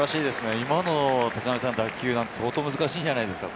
今の打球、相当難しいんじゃないですか。